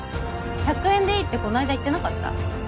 １００円でいいってこの間言ってなかった？